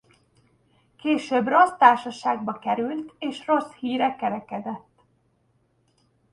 Később rossz társaságba került és rossz híre kerekedett.